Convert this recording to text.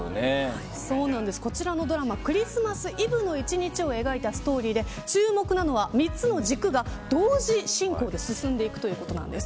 こちらのドラマクリスマスイブの１日を描くストーリーで注目なのは３つの軸が同時進行で進んでいくということです。